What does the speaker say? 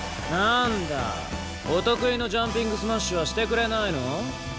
なーんだお得意のジャンピングスマッシュはしてくれないの？